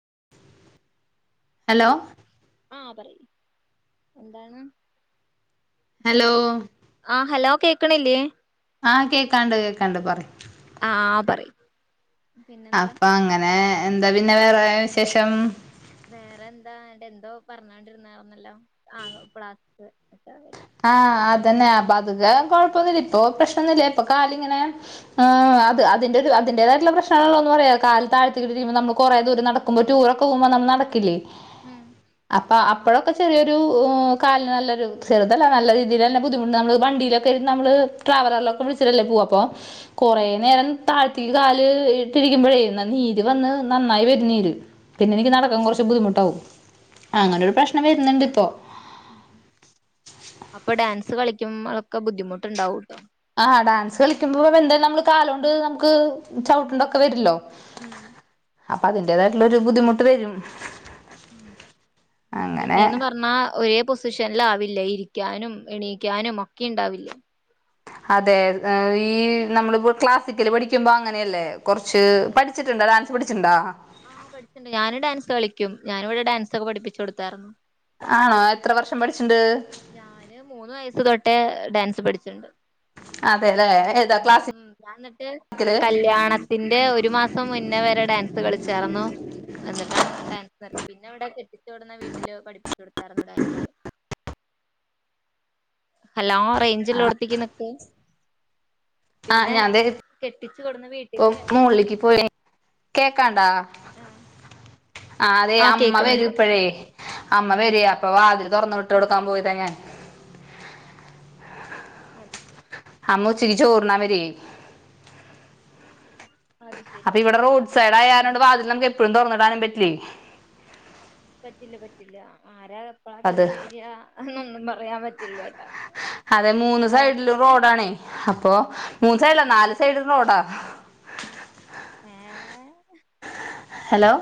[unintelligible] Hello ആ പറി എന്താണ് ഹലോ ഹ ആഹ് ഹലോ കേക്കണില്ലേ ആ കേക്കാണ്ട് കേക്കാണ്ട് പറി ആ പറി അപ്പൊ അങ്ങനെ എന്താ പിന്നെ വേറെ വിശേഷം വേറെ എന്താ എറെ എന്തോ പറഞ്ഞോണ്ടിരുന്നന്നല്ലോ ആ പ്ലാസ് ആഹ് അതേനെ ആ പക് തക്കെ കൊഴപ്പം ഒന്നില്ല ഇപ്പൊ പ്രശ്നൊന്നുമില്ല ഇപ്പൊ കാലിങ്ങനെ അത് അതിന്റെ ഒരു അതിന്റതായിട്ടുള്ള പ്രശ്നള്ളോ ഒന്ന പറയാ കാല് താഴ്ത്തി കിട്ടിരിക്കുമ്പോ നമ്മള് കൊറേ ദൂരം നടക്കുമ്പോ ടൂറൊക്കെ പോകുമ്പോ നമ്മള് നടക്കില്ലേ ഉം അപ്പ അപ്പോഴൊക്കെ ചെറിയൊരു കാല നല്ലൊരു ചെറ അല്ല രീതിയിലന്നെ ബുദ്ധിമു് നമ്മൾണ്ടയിലൊക്കെ ഇരു നമ്മൾ ട്രാവലർ ഒക്കെ വിളിച്ചിട്ടല്ലേ പോും അപ്പോൾ കുറ നേരം തായ് തേക്ക് കാല് ഇട്ടിരിക്കുമ്പയേ ന നീര് വന്ന് നന്നായി വെരും നീര് പിന്നെ നിക്ക് നടക്കാൻ കുറച്ചു ബുദ്ദിമുട്ടാവും അത് അങ്ങനൊരു പ്രശ്നം വരുന്നിണ്ടിപ്പോ അപ്പോ ഡാൻസ് കളിക്കും അതൊക്കെ ബുദ്ദിമുട്ടുണ്ടാകും ട്ടോ ആ ഡാൻസ് കളിക്കുമ്പോ വെന്തോ നമ്മക്ക് കാലോ ണ്ട് നമുക്ക് ചപ്ട്ടെണ്ടക്ക വരല്ലോ ഉം അപ്പോ അതിന്റേതായിട്ടുള്ള ഒരു ബുദ്ദിമുട്ട് വെരും ഉം പിന്നെന്നു പർഞ്ഞാ ഏ പൊസ് പൊഷൻ ല് ആവില്ല ഇരിക്കാനും എണീക്കാനുംഒക്കെ ഉണ്ടാവില്ലെ അതേ, ഈ ഞമ്മള് പ്പോ ക്ലാസിക്കൽ പഠിക്കുമ്പോ അങ്ങനെയല്ലെ കൊർച്ച് അതെ അതെ പഠിച്ചിട്ടുണ്ടോ അതെ ഡാൻസ് പഠിച്ചിട്ടുണ്ടോ ആ പഠിച്ചിണ്ട് ഞാന് ഡാൻസ് കളിക്കും ഞാനിവിടെ ഡാൻസൊക്കെ പഠിപ്പിച്ച് കൊട്ത്തായിർന്നു. ആണോ എത്ര വർഷം പഠിച്ചു ഞാന് മൂന്നു വയസ്സ് തൊട്ടേ ഡാൻ സ് പഠിച്ചിണ്ട്. അതെല്ലേ ഏതാ മ് ക്ലാസിക്കല് ഞാന്നട്ട് കല്യാണത്തിന്റ ഒരു മാസ സം മുന്നേ വരെ ഡാൻസ് കളിച്ചാർന്നു എന്നിട്ടാണ് ഡാൻസ് നിർ പിന്നവിടെ കെട്ടി ച്ചൊട്ന്ന വീട്ടില് പഠിപ്പിച്ചൊടത്താർന്നു ഡാൻസ് ഹലോ റൈഞ്ചില്ലോട്ത്ത്ക്ക് നിക്ക് ആഹ് പിന്നെ ഞാൻ ദേ കെട്ടിച്ച് കൊട്ന്ന ഇപ്പൊ വീട്ടില് മോളിലേക്ക് പോയി കേക്കാണ്ടാ ആഹ് അതെ ആഹ് അമ്മ കേക്ക്ണ്‌ണ്ട് വരുംപ്പഴേ അമ്മ വെരേ അപ്പ വാതില് തൊർന്ന് വിട്ട് ഉം കൊട്ക്കാ പോയതാ ഞാൻ അതീത്തെ അമ്മ ഉച്ചക്ക് ചോറുണ്ണാൻ വരേ അത് ശരി അപ്പ ഇവടെ ഓക്കെ റോഡ് ഓക്കെ ഓക്കെ സൈഡായാരണം ഉം കൊണ്ട് വാതിലമ്മുക്കെപ്പയും തോർന്നിടാനും പെറ്റ് ഇല്ലേ പറ്റില്ല പറ്റില്ല ആരാ എപ്പളാ കേറി വരാ എന്നൊന്നും പറയാൻ പറ്റില്ലട്ടാ അതെ മൂന്ന് ഏഹ് സൈഡിലും പിന്നെ റോഡാണെ അപ്പൊ മുന്ന് സൈഡിലല്ല നാല് സൈഡിലും റോഡാ ഏഹ് ഹലോ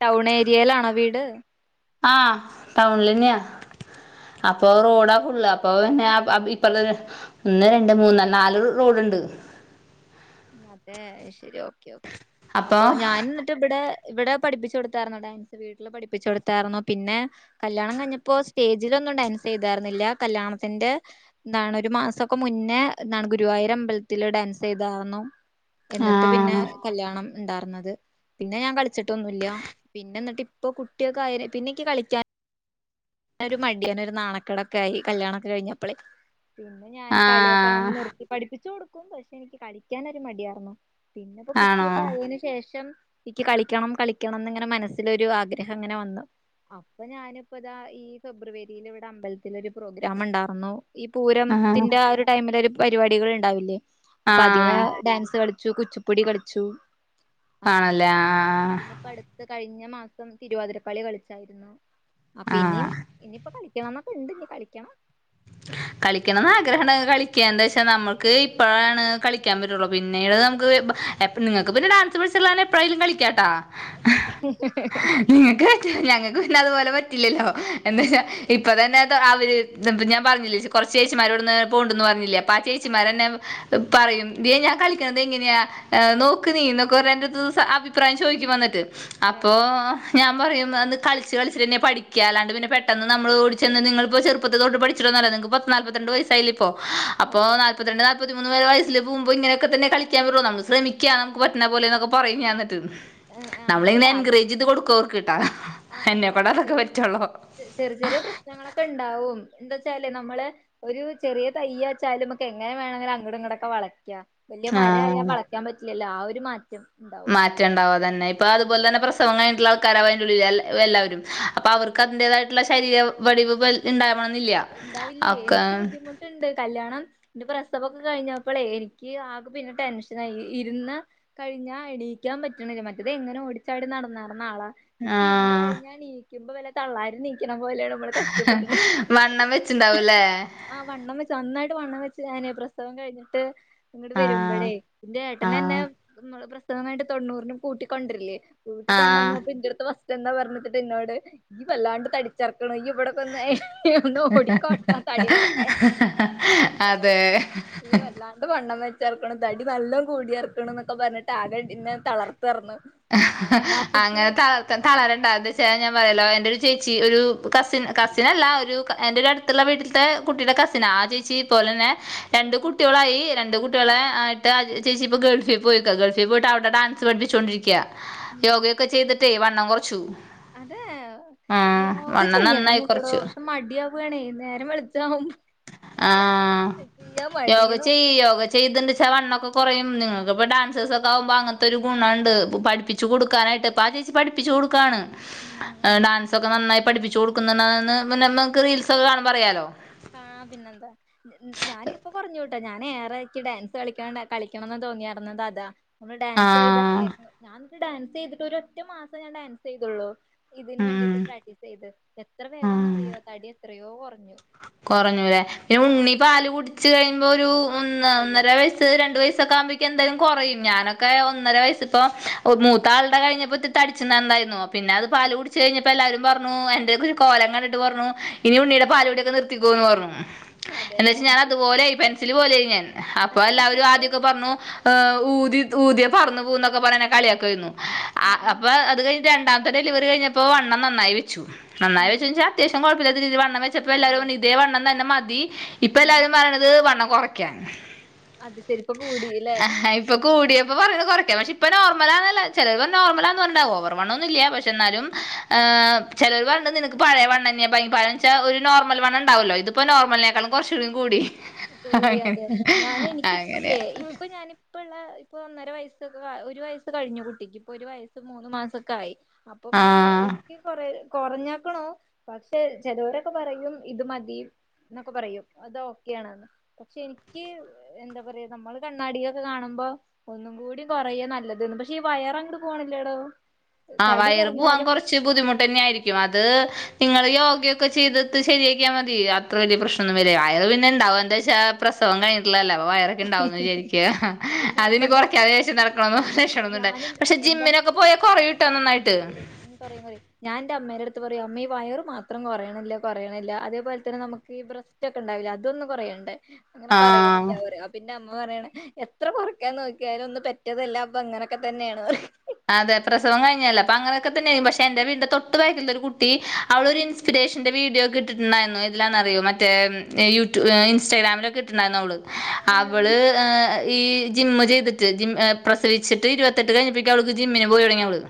ടൗണേരിയേലാണോ വീട് ആ ടൗനിലന്നെയാ അപ്പോ അതെല്ലേ റോഡാ [unintelligible] ആ അത് ഇപ്പള്ളത് മ് ഒന്നെ രണ്ടേ മൂന്നെ നാല് റോഡ്ണ്ട് അതെ ശെരി ഓക്കേ ഓക്കേ അപ്പൊ അപ്പോ നാനിന്നറ്റ് ഇബടെ ഇവിടെ പഠിപ്പിച്ചു കൊടുത്തായിരുന്നു പഠിപ്പിച്ചുകൊടുത്തായിരുന്നു പിന്നെ കല്യാണം കഴിഞ്ഞപ്പോ സ്റ്റേജിലൊക്കെ ഡാൻസ് ചെയ്താർന്നില്ല കല്യാണത്തിന്റെ എന്താണ് ഒരു മാസൊക്കെ മുന്നേ ഗുരുവായൂർ അമ്പലത്തിൽ ഡാൻസ് ചെയ് ദാർന്നു ആ എന്നിട്ട് പിന്നെ കല്യാണം ഇണ്ടാർന്നത് പിന്നെ ഞാൻ കളിച്ചിട്ടൊന്നുമില്ല പിന്നെന്നിട്ട് ഇപ്പോ കുട്ടിയൊക്കെ ആയെന് പിന്നെ എനിക്ക് കളിക്കാനും ഒരു മടിയാണ് ഒരു നാണക്കേടൊക്കെയായി കല്യാണൊക്കെ കഴിഞ്ഞപ്പോളെ ഞാൻ ആ കളിയൊക്കെ ആകുമ്പോ നിർത്തി പഠിപ്പിച്ചുകൊടുക്കും, പക്ഷെ എനിക്ക് കളിക്കാനൊരു മടിയാണ് ഇപ്പോ ആണോ കുട്ടിയൊക്കെ ആയേനുശേഷം എനിക്ക് കളിക്കണം കളിക്കണം ന്നിങ്ങനെ മനസ്സിലൊരു ആഗ്രഹങ്ങനെ വന്നു അപ്പോ ഞാൻ ഇപ്പോത ഫെബ്രുവരിയിൽ ഇവിടെ അമ്പലത്തിലൊരു പ്രോഗ്രാമുണ്ടാർന്നു ഈ ആ പൂരത്തിന്റ ആ ഒരു ടൈമിലൊരു പരിപാടികളുണ്ടാവില്ലേ ആ അപ്പതില് ഡാൻസ് കളിച്ചു ച്ചു കുച്ചിപ്പുടി കളിച്ചു അങ്ങനെ ആണല്ലേ ആ ഇപ്പോ അടുത്ത കഴിഞ്ഞ മാസം തിരുവാതിര കളി കളിച്ചായിരുന്നു ആ പിന്നിം ഇനിയിപ്പോ കളി ക്കണന്നൊക്കെണ്ട് ഇനി കളിക്കണം കളിക്കണന്ന് ആഗ്രഹണ്ടെങ്കിൽ കളിക്ക്യാ എന്താ വെച്ചാ നമ്മൾക്ക് ഇപ്പോഴാണ് കളിക്കാൻ പറ്റുള്ളൂ പിന്നീട് നമുക്ക് നിങ്ങക്ക് പിന്നെ ഡാൻസ് പഠിച്ചിട്ടുള്ള കാരണം എപ്പഴായാലും കളിക്കാട്ടാ കളിക്കണം നിങ്ങക്ക് പറ്റും ഞങ്ങ അതുപോലെ പറ്റില്ലല്ലോ എന്താച്ചാ അത് ഇപ്പോ തന്നെ ആൾ [unintelligible] ദിപ്പോ ഞാൻ പറഞ്ഞില്ലേച്ചി കൊറച്ച് ചേച്ചിമാരിവിടെന്ന് പോവുന്നുണ്ടെന്ന് പറഞ്ഞില്ലേ ആ ചേച്ചിമാരെന്നെ പറയും ദേ ഞാൻ കളിക്കണത് എങ്ങനെയാ നോക്ക് നീ എന്നൊക്കെ പറഞ്ഞു എന്റെടുത്ത് വന്ന് അഭിപ്രായം ചോയിക്കും വന്നിട്ട്. അപ്പോ ആ ഞാ ഞാൻ പറയും കളിച്ച് കളിച്ചിട്ടേന്നെയാ പഠിക്ക്യ അല്ലാണ്ട് പിന്നെ പെട്ടെന്ന് നമ്മൾ ഓടിച്ചെന്ന് നിങ്ങളിപ്പോ ചെറുപ്പത്തിതൊട്ട് പഠി ച്ചിട്ടൊന്നുമല്ല നിങ്ങക്ക് പത്തുനാല്പത്തുരണ്ട് വയസ്സായില്ലേ. അപ്പോ അതെ നാല്പ്പത്തിരണ്ട് നാ നാൽപ്പത്തിമൂന്നു വയസ്സിൽ പോവുമ്പോ ഇങ്ങനൊക്കെ തന്നെയാ കളിക്കാൻ ബ്രോ നമ്മൾ ശ്രെമിക്യ നമുക്ക് പറ്റണെപോലെന്നൊക്കെ പറയും ഞാൻ എന്നിട്ട്. ആഹ് അല്ല നമ്മളിങ്ങനെ എൻകറേജ് ചെയ്ത് കൊടുക്കും ചെ അവർക്ക്ട്ടാ ആഹ് എന്നെകൊണ്ടെ അങ്ങനെന്നെ അതൊക്കെ പറ്റുള്ളൂ എന്താവെച്ചാല് നമ്മള് ഒരു ചെറിയ തൈ വെച്ചാലും നമുക്കെ എങ്ങനെ വേണേലും നമുക്ക് അങ്ങടും ഇങ്ങടൊക്കെ വളയ്ക്കാം വല്യ മരായാൽ ആഹ് വളയ്ക്കാൻ പറ്റില്ല എല്ലാവരും മാ മാറ്റം ഉണ്ടാവും അതന്നെ. പ്പ അത്പോലെ തന്നെ പ്രസ സ്ട്രോങ്ങായിട്ടുള്ള ആൾക്കാരാ വരുലില്ലേ എല്ലാവരും അപ്പ അവർക്ക് അതിന്റെതായിട്ടുള്ള ശരീര വടിവ് വൽ ഇണ്ടായ മ ഇണ്ടാവില്ലേ എനിക്ക് ബുദ്ധിമുട്ടുണ്ട് കല്യാണം ന്റെ പ്രസവൊക്കെ കഴിഞ്ഞപ്പളേ എനിക്ക് ആകെ പിന്നെ ടെൻഷനായി ഇരുന്നാ കഴിഞ്ഞാ എണീക്കാൻ പറ്റണില്ല മറ്റേത് എങ്ങനോ ഓടി ചാടി നടന്ന അപ്പം നാളെ ഇനിക്ക് ആഹ് കഴിഞ്ഞാ ണീ ഇപ്പ വല്ല തള്ളാര് ണീ ക്കണ പോലെയാണ് മ്മള് കഷ്ടപ്പെട്ട് എണീക്കണേ വണ്ണം വെച്ചിണ്ടാവൂല്ലേ ആ വണ്ണം വെച്ചു നന്നായിട്ട് വണ്ണം വെച്ച് ഞാനെ പ്രസവം കഴിഞ്ഞിട്ട് ഇങ്ങട് ആഹ് വരുമ്പഴേ എന്റെ ഏട്ടനന്നെ ആഹ് നിന്നോള് പ്രസ നന്നായിട്ട് തൊണ്ണൂറിന് പൂട്ടി കൊണ്ടര്ൽ കൂട്ടി ആഹ് കൊണ്ടന്നപ്പോ എന്റടുത്തു ഫസ് സ്റ്റ് എന്താ പറഞ്ഞ്ക്ക്‌തെ എന്നോട് ഈ വല്ലാണ്ട് തടിചെർ തുടങ്ങി ഇവിടെ തന്നെ ന്നാ ഓടിക്കോട്ട തടി കൊറക്കാൻ അതെ ഈ വല്ലാണ്ട് വണ്ണം വണ്ണം വെച്ചാർക്കുണു തടി നല്ലോ കൂടിയാർക്കുണു എന്നൊക്കെപറഞ്ഞിട്ട് ആകെ ഇന്നെ തളർ അങ്ങനെ തളർത്ത തളരണ്ട എന്ത് വെച്ച് കഴിഞ്ഞ ഞാൻ പറഞ്ഞല്ലോ എന്റെ ഒരു ചേ ച്ചി ഒരു കസിൻ കസിനല്ല ഒരു എന്റെ ഒരു അടുത്തുള്ള വീട്ടിൽത്തെ കുട്ടീടെ കസിനാ ആ ചേച്ചി പോലെ നെ രണ്ടു കുട്ട്യോളായി രണ്ട് കുട്ട്യോളെ ആയിട്ട് ആ ചേ ചേച്ചി ഇപ്പോ ഗൾഫി പോയേക്കുവാ ഗൾഫി പോയിട്ട് അവിടെ ഡാൻസ് പഠിപ്പിച്ചോണ്ട് ഇരി ക്യാ യോഗെ ഒക്കെ ചെയ്തിട്ടേ വ വണ്ണം കുറച്ചു അത് ആ യോഗ വണ്ണം ചെയ്യണം നന്നായി ന്ന് ഉണ്ടടോ കുറച്ചു പക്ഷെ മടിയവുയാണെ നേരം വെളുത്ത ആവു ആഹ് ചെയ്യാൻ മടി [unintelligible] ച വണ്ണം ഒക്കെ കുറയും നിങ്ങക്ക് ഇപ്പോ ഡാൻസേർസ് ഒക്കെ ആവുമ്പോ അങ്ങനത്തെ ഒരു ഗുണം ഉണ്ട് പഠിപ്പിച്ചു കൊടുക്കാനായിട്ട് ഇപ്പ ആഹ് ചേച്ചി പഠിപ്പിച്ചു കൊടുക്കാണ് ഡാൻസ് ഒക്കെ നന്നായി ഉം പഠിപ്പിച്ചു കൊടുക്ക്‌ന്നെന്ന് ന്നഅമലൊന്നും നക്ക് റീൽസൊക്കെ കാണുമ്പറിയാലോ ആ പിന്നെന്താ ഞാനിപ്പ പറഞ്ഞുട്ട ഞഏറെ എൻക്ക് ഡാൻസ് കളിക്കാണ്ടാ കളിക്കണെന്ന് തോന്നിയാർന്നതതാ ഒര് ഡാൻസോയ്താ ആഹ് ഡാൻസൈതിട്ട് ഒരൊറ്റ മാസാ ഞാൻ ഡാൻസൈതൊള്ളൂ ഇതിന് ഉം വേണ്ടീട്ട് പ്രാക്ട്ടീസെയ്‌ത് എത്രവേഗാന്നറിയോ തടിയൊ എത്രയോകൊറ ഞ്ഞു കൊറഞ്ഞുലെ പിന്നെ ഉണ്ണിപാല് കുടിച്ച്കയ്യുമ്പോ പൂവും ഒന്ന് കൊറയും ഒന്നരവയസ്സ് രണ്ട് വയസ്സ് ക്കകാമ്പി ക്കെന്തായാലും കൊറയും ഞാനൊക്കെ ഒന്നരവയസ്സിപ്പോ മൂത്താൾടെകഴിഞ്ഞപ്പിത്തിരി തടിച്ചിണ്ടാർന്നായര്ന്നു പിന്നത് പാല്കുടിച്ച്കഴിഞ്ഞ പ്പെല്ലാരും പറഞ്ഞു എന്റെഒക്കെ ഒരുകോലം കണ്ടിട്ട് പറഞ്ഞു ഇനിഉണ്ണീടെ പാല്കുടിക്കെ ക്കെനിർത്തിക്കോന്ന് പറഞ്ഞു എന്ന് അതെല്ലേ വെച്ചാ ഞാൻഅത്പോലായി പെറ്റ് സില് പോലായിഞ്ഞാൻ ഹപ്പാ അപ്പൊ എല്ലാരും ഫുഡ് ആത്യൊക്കെ പറഞ്ഞു ഏഹ് ഊതിത് ഊതി പറന്നു പൂവുംന്നൊക്കെ പറഞ്എന്നെ കളിയാക്കായ്രുന്നു ആഹ് അപ്പ അത്കഴി രണ്ടാമ്ത്തെ ഡെലിവറി കഴിഞ്ഞപ്പോ വണ്ണം ന്നന്നായ് വെച്ചു നന്നായ് ഉം വെച്ചുച്ചാ അത്യാവശ്യം കൊഴപ്പില്ലാത്തരീതിയിൽ വണ്ണംവെച്ച അപ്പെല്ലാരും കൂടി ഇതേവണ്ണം ന്നന്നെമതീ ഉം ഇപ്പെല്ലാരും പറയണത് വണ്ണം കൊറക്കാൻ അത് ശരിപ്പൊ കൂടില്ലേ അഹഹ ഇപ്പകൂടിയേപ്പ പറയണ് കൊറക്കാ പഷേ ഇപ്പനോർമലന്നെല്ലാരു ചെലോര് പറഞ്ഞു നോർമലന്ന് പറഞ്ഞിണ്ടവോ ഓവർ വണ്ണോന്നില്യ പഷേ എന്നാലും ഏഹ് ചെലൊര് പറഞ് നിനക്ക് പഴേവണ്ണന്യ ബങ്ങി പഴൻച്ചാ ഒരു നോർമൽ വണ്ണണ്ടാവോലോ ഇതിപ്പോ നോർമൽനെകാളും കൊറച്ചൂടെ കൂടി അങ്ങനെ കൂടിയതെ ഞാനെ എനിക്കിപ്പ്ല്ലേ അങ്ങനെയാ ഇപ്പഞാന് ഇപ്പ്ള്ള ഇപ്പ ഒന്നരവയസ്സൊക്കെകാ ഒരുവയസ്സ് കഴിഞ്ഞു കുട്ടിക്ക് ഇപ്പൊ ഒരുവയസ്സ് മൂന്ന് മാസൊക്കായി അപ്പൊ ഇങ്ങനെ ആഹ് എക്കും കൊറേ കുറഞ്ഞുകുണ് പക്ഷെ ചെലേക്കൊക്കെ പറയും യാണ് ശെരിക്ക് നമ്മള് കണ്ണാടി കാണുമ്പ ഒന്നുകൂടി കുറയാ നല്ലത് വയർ പോകുന്നില്ലടോ ആ വയർ പോകാൻ കുറച്ച് ബുദ്ധിമുട്ടെന്നായിരിക്കും അത് നിങ്ങൾ യോഗ ഒക്കെ ചെയ്ത് ത് ശെരിയാക്കിയാമതി അത്ര വലിയ പ്രശ്നം നൊന്നും വരുല്ല വയർ പിന്നെന്താകും എന്താച്ചാ പ്രസവം കൈഴിജിറ്റില്ലാന്തല്ലേ വയർ ഒക്കെ ഉണ്ടാവുമെന്ന് വിചാരിക്ക ഹ എന്റെ അത് അമ്മ നെ എന്താ കുറക്കാൻ ലക്ഷണം ഒന്നൂല്ല്യ പക്ഷെ ജിമ്മിനെകെ പോയ കുറയും കുറിം കുറി ഞാൻ ന്റെ അമ്മെന്റടുത്തു പറയും അമ്മേ വയർ മാത്രം കുരീനില്ലായ അതേപോലെ നമുക്ക് ബ്രസ്റ്റ് ഇതൊന്നു കുറയണ്ടേ ആ..... പിന്നെ അമ്മ പറയാന് എത്ര കുറക്കാൻ നോക്കിയാലും ഒന്നു പെറ്റതല്ലേ ഇങ്ങനൊക്കെ തന്നെയാന്ന് പറയും അതെ പ്രസവം കൈയുഞ്ചതല്ലേ അപ്പൊ അങ്ങനെയൊക്കെ... ന് പക്ഷെ എന്റെ വീട്ടിലെ തൊട്ടുതാഴെ ത്തിലൂ [unintelligible] അവളൊരു ആഹ് ഇൻസ്പിറേഷന്റെ വീഡിയോ ഇട്ടിട്ടുണ്ടായിരുന്നു എന്താ അറിയോ റ്റേ ആഹ് യൂട്യൂ ഇൻസ് ഇൻസ്റ്റാഗ്രാമിലോ ക്കെ ഇട്ടിട്ടുണ്ടായിരുന്നു അവൾ എന്താണ് അവള് ആ ഈ ജിം മ്മു ചെയ്തിട്ട് ജി ഏഹ് പ്രസവിച്ചിട്ട് ഇരുപത്തെട്ട് കഴി ഓലൊക്കെ ജിമ്മിന് പോയിത്തുടങ്ങി ഓള്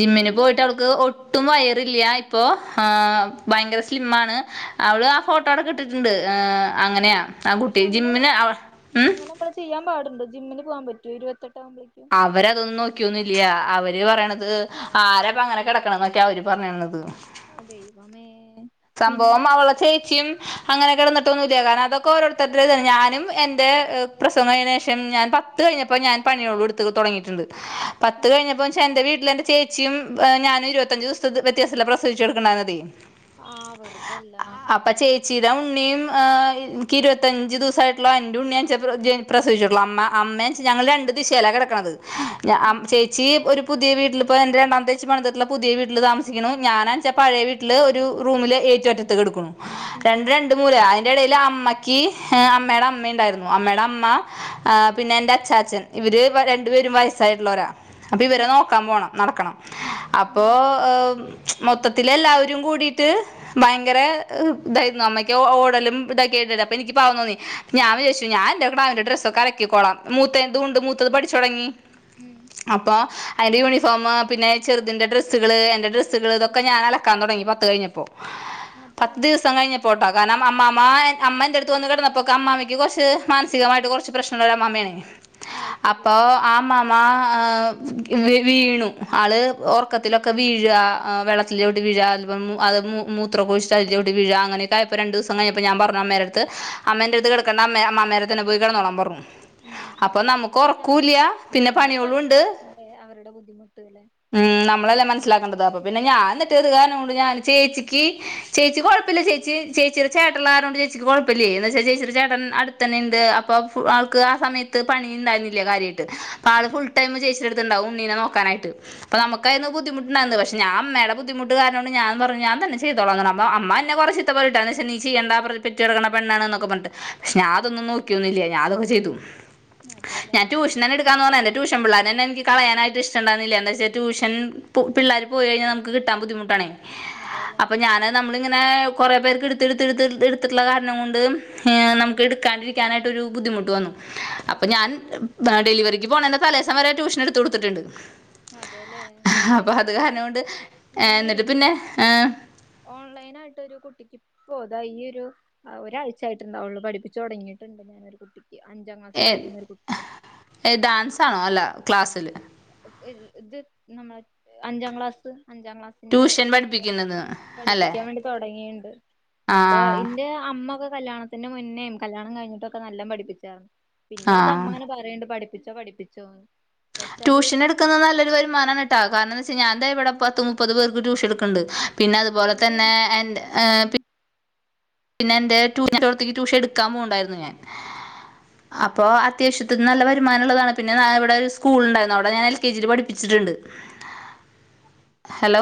ജിമ്മിന് പോയിട്ടോൾക്ക് ഒ ട്ടും വയറില്ല ഇപ്പൊ ഭയങ്കര സ്ലിം ആണ് അവള് ആ ഫോട്ടോയൊക്കെ ഇട്ടിട്ടുണ്ട് അങ്ങനെയാ ആ പക്ഷെ കുട്ടി അങ്ങനെ ജിമ്മിന് അവ ഉം അങ്ങനെ നമ്മള് ചെയ്യാൻ പാടുണ്ടോ ജിമ്മിന് പോകാൻ പറ്റോ ഇരുപത്തെ അവരതൊന്നും നോക്കി ക്കുന്നില്യ അവർ പറയാണത് ആര ഇപ്പൊ അങ്ങനെ കിടക്കണ എന്നൊക്കെ അവര് പറയണത് ദൈവമേ പിന്നെ സംഭവം അവളുടെ ചേച്ചീയും അങ്ങനെ കിടന്നുട്ടൊന്നുല്ല്യ കാരണം അതൊക്കെ ഓരോരുത്തരുടേതാ ഞാനും എന്റെ പ്രസവം കൈഞ്ഞതിനു ശേഷം ഞാൻ പത്തു കൈയിഞ്ഞപ്പോ ഞാൻ പണികളൊക്കെയേടുത്തൂ തുടങ്ങിയിട്ടുണ്ട് പത്തു അതെ കൈഞ്ഞപ്പോചാ എന്റെ വീട്ടിലെന്റെ ചേച്ചിയും ഞാനും ഇരുപത്തിയഞ്ചു ദിവസം വ്യത്യാസത്തിലാ പ്രസവിച്ചു കിടക്കണതേ ആ വെറുതെല്ല ചിയുടെ ഉണ്ണിയും എനിക്ക് ഇരുപത്തിയഞ്ചു ദിവസം ആയിട്ടുള്ള എന്റെ ഉണ്ണിയും പ്രസവിച്ചു അമ്മ അമ്മേം അച്ഛൻ ഞങ്ങൾ രണ്ട് ദിശയിലാ കിടക്കണത് ന അം ഉം ചേച്ചി ഒരു പുതിയ വീട്ടില് എന്റെ രണ്ടാമത്തേച്ചീ പണിതിട്ടുള്ള പുതിയ വീട്ടില് താമസിക്കുന്നു ഞാൻ വാങ്ങിച്ച പഴയ വീട്ടില് ഒരു റൂമില് ഏറ്റവും അറ്റത്തു കിടക്കുണു ഉം രണ്ടും രണ്ടു മൂല ഇതിന്റെടേലു അമ്മക് അമ്മേടെ അമ്മ ഇണ്ടാരുന്നു അമ്മേടെ അമ്മ ഉം ആഹ് പിന്നെ എന്റെ അച്ചാച്ചൻ ഇവർ രണ്ടു പേരും വയസായിട്ട് ഉള്ളവരാ അപ്പോ ഇവരെ ഉം നോക്കാൻ പോണം നടക്കണം ഉം അപ്പോ ഏഹ് മൊത്തത്തിൽ എല്ലാവരും കുടി ട്ട് ഭയങ്കര ഇഹ് ഇതാരുന്നു അമ്മക്ക് ഓടലും ഇതൊക്കെയാരുന്നില്ലേ അപ്പോ എനിക്ക് പാവം തോന്നി ഞാൻ വിചാരിച്ചു ഞാൻ ന്റെ കിടാവിന്റ ഡ്രസ്സൊക്കെ അലക്കിക്കികോളം മുത്തതും ഉണ്ട് മുത്തത് പഠിച്ചു തുടങി ഉം അപ്പ അയിന്റെ ഉം യൂണിഫോം പിന്നെ ചെറുതിന്റെ ഡ്രസ്സുകള് എന്റെ ഡ്രസ്സ് സ്സ്കൾ ഇതൊക്കെ ഞാൻ അലക്കാൻ തുടങ്ങി പത്ത് കയ്യിഞ അതെ പത്തീസം കഴിഞ്ഞപ്പോ ട്ട കനം. അമ്മാമ്മ എൻ അമ്മ എന്റട്ത്തു വന്ന് കെട്ന്നപ്പോക്ക് അമ്മാമ്മക് കൊർച്ച് മാനസികമായിട്ട് കൊർച്ച് പ്രശ്നങ്ങൾള്ള അമ്മാമ്മയാണ്. അത് അപ്പൊ ശരിയാ ആ അമ്മാമ്മ ആ ഈവ് വീണു ആള് ഉം ഒർക്കത്തിലൊക്കെ വീഴ് ആ വെള്ളത്തിലോട്ട് വീഴ് [unintelligible] അത് മു മൂത്രൊക്കെ ഒഴിച്ചിട്ട് അതിലോട്ട് വീഴാ അങ്ങനെക്കെ ആയപ്പോ രണ്ടുസം കഴിഞ്ഞപ്പ ഞാൻ പർഞ്ഞു അമ്മേരെ ത് ഉം അമ്മേന്റടുത്ത് കിടക്കേണ്ട അമ്മയാ മന്നേരം തന്നെ പോയി കിടന്നോളാൻ പറഞ്ഞു ഉം ഉം ഉം അപ്പൊ നമ്മക്ക് ഇതൊക്കെ ഓറോക്കോയില്യ പിന്നെ നമ്മള് പണികളുണ്ട് മനസ്സിലാക്കണ്ടേ അവരുടെ ബുദ്ധിമുട്ട് ല്ലേ മ് എത്ര നമ്മള് അല്ലെ മനസ്സിൽ ആക്കേണ്ടത് പറഞ്ഞിട്ട് അപ്പൊ പിന്നെ ഞാൻ [unintelligible] കാരണൊണ്ട് ഞാൻ ചേച്ചിക്ക്‌ ചേച്ചി കൊഴപ്പില്ല ചേച്ചി ചേച്ചിടെ ചേട്ടൻ ള്ള കാരണകൊണ്ട് ചേച്ചിക് കൊഴോപ്പോയില്യേ എന്നുവെച്ച ചേച്ചിടെ ചേട്ടൻ അടുത്തന്നെണ്ട് അപ്പൊ അപ്പോ ഉം ആൾക്ക് ആഹ് സമയത ക്ക്‌ പണിയുണ്ടായിരുന്നില്ല്യ കാര്യയി അപ്പോ ആൾ ഫുള്ള് ഉം ടൈം ചേച്ചിടടുത്ത ഉണ്ടാവും നിന്നെ നോക്കാനായിട്ട് അപ്പോ ഉം നമ്മുക്കായിരുന്ന് ബുദ്ധിമുട് ന്നാന്ന് ഞാൻ അമ്മേടെ ബുദ്ധിമുട്ട് കാരണം ആണ് ഞാൻ ഞാൻ പറഞ്ഞു ഞാൻ തന്നെ ചെയ്തോളാം എന്ന് അപ്പൊ അമ്മ എന്നെ കുറെ ചീത്ത പറഞ്ഞിട്ടാണ് നി ചെയ്യേണ്ട പെറ്റ് കിടക്കുന്നെ പെണ്ണാണ്ന്ന് ഒക്കെ പറഞ്ഞിട്ട് ഞാൻ അതൊന്നും നോക്കിയൊന്നില്ല്യ ഞാൻ അതൊക്കെ ചെയ്തു അതെലെ എനിക്ക് ആണേ എന്റെ ട്യൂഷൻ പിള്ളേരെതന്നെ കളയാൻ ആയിട്ട് ഇഷ്ടം ഇണ്ടായിരുന്നില്ല എന്താന്ന് വെച്ചാൽ ട്യൂഷൻ പിള്ളേര് പോയി കഴിഞ്ഞാ നമുക്ക് കിട്ടാൻ ബുദ്ധിമുട്ടാണെ അതെല്ലേ അപ്പോ ഉം ഞാന് നമ്മളിങ്ങനെ കുറേ പേർക്ക് എടുത്ത് എടുത്ത്ടുത്ത് എടുത്തിട്ടുള്ള കാരണം കൊണ്ട് നമുക്ക് എടുക്കാണ്ടിരിക്കാനായിട്ടൊരു ബുദ്ധിമുട്ട് വന്നു. അപ്പൊ ഓക്കെ ഞാൻ ബ ഡെലിവറിക്ക് പോണെന്റെ തലേസം വരെ ട്യൂഷൻ എടുത്ത് കൊടുത്തിട്ടുണ്ട്. അതെല്ലേ ഞാന് അപ്പം ക്ക്യ അത് ഇങ്ങനെ കാരണം കൊണ്ട് ഏഹ് ഞാനേ. എന്നിട്ട് പിന്നെ ഏഹ് ഓൺലൈൻ ആയിട്ട് ഒരു കുട്ടിക്ക്. ഇപ്പൊ ഇതാ ഈ ഒരു ഒരാഴ്ച ആയിട്ട്ണ്ടാവുള്ളൂ പഠിപ്പിച്ച് തൊടങ്ങിയിട്ടുണ്ട് ഞാനൊരു കുട്ടി അഞ്ചാം ക്ലാസ് പഠിക്കുന്ന ഒരു കുട്ടിയ താണോ അല്ല ക്ലാസ്സിൽ ഇത് നമ്മള അഞ്ചാം ക്ലാസ് അഞ്ചാം ക്ലാസ്സിന്റെ ട്യൂഷൻ അല്ലേ പഠിപ്പിക്കാൻ വെണ്ടി തൊടങ്ങീണ്ട് ആ അപ്പ ഇന്റെ അമ്മ ഒക്കെ കല്യാണത്തിന്റെ മുന്നേ കല്യാണം കഴിഞ്ഞിട്ടൊക്കെ നല്ലം പഠിപ്പിച്ചായിരുന്നു ഇപ്പന്റെ ആ അടുത്ത് അമ്മങ്ങനെ പറയേണ്ട് പഠി പഠപ്പിച്ചോ പഠിപ്പിച്ചോ പക്ഷെ അത് ട്യൂഷൻ എട്ക്ക്ന്ന നല്ലൊരുവരുമാനാണ് ഇട്ടാ കാരണംന്താവാച്ച ഞാൻ ദാ ഇവിടെ പത്ത് മുപ്പത് പേർക്ക് ട്യൂഷൻ എടുക്കുണ്ട് പിന്ന അതുപോലെ അത് തന്നെ എൻ എ ഉം പി പിന്നെ എന്റെ ടൂറത്തേക്ക് ട്യൂഷൻ എടുക്കാൻ പോവണ്ടായിരുന്നു ഞാൻ അപ്പൊ വിത്യാശ്യ നല്ല ഉം വരുമാനമുള്ളതാണ് പിന്നെ ഇവിടെ ഒരു സ്കൂളുണ്ടായിരുന്നു അവിടെ ഞാൻ എൽ കെ ജി പഠപ്പിച്ചിട്ടുണ്ട് ഹലോ